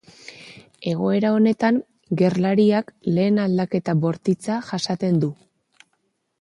Egoera honetan gerlariak lehen aldaketa bortitza jasaten du.